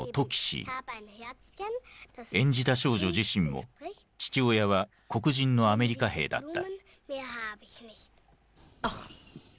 演じた少女自身も父親は黒人のアメリカ兵だった。